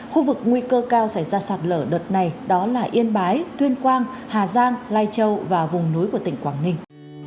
khu vực nguy cơ cao xảy ra sạt lở đợt này đó là yên bái tuyên quang hà giang lai châu và vùng núi của tỉnh quảng ninh